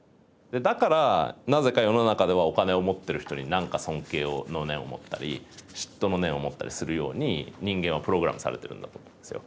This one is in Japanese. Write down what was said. だからなぜか世の中ではお金を持ってる人に何か尊敬の念を持ったり嫉妬の念を持ったりするように人間はプログラムされてるんだと思うんですよ。